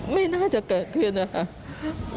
ไม่น่าจะเกิดขึ้นนะครับ